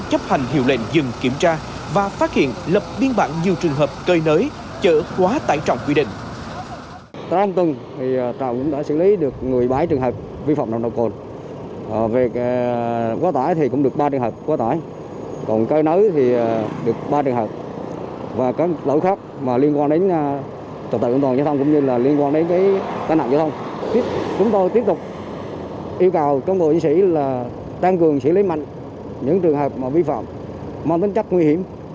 chấp hành hiệu lệnh dừng kiểm tra và phát hiện lập biên bản nhiều trường hợp cơi nới chở quá tải trọng quy định